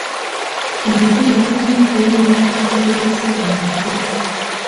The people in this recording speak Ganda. Ebibuga birina okuweebwa abakulembeze abapya .